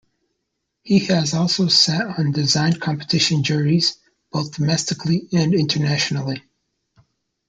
He has also sat on design competition juries, both domestically and internationally.